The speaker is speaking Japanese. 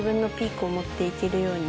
ように。